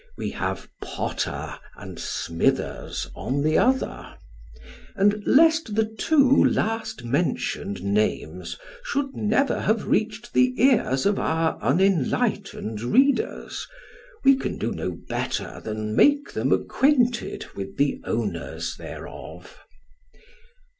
We have Potter and Smithers on the other; and, lest the two last mentioned names should never have reached the ears of our unenlightened readers, we can do no better than make them acquainted with the owners thereof.